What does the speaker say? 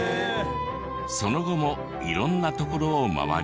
その後も色んな所を回り。